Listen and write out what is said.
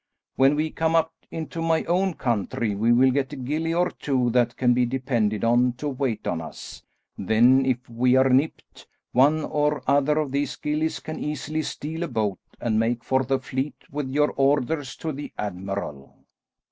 When we come up into my own country we'll get a gillie or two that can be depended on to wait on us, then if we are nipped, one or other of these gillies can easily steal a boat and make for the fleet with your orders to the admiral."